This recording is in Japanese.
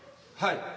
はい。